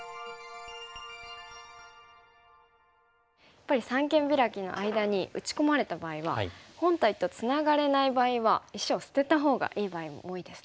やっぱり三間ビラキの間に打ち込まれた場合は本体とつながれない場合は石を捨てたほうがいい場合も多いですね。